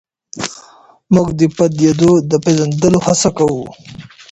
موږ د پدیدو د پېژندلو هڅه کوو.